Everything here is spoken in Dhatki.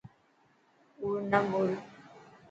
ڪوڙ نه ٻول.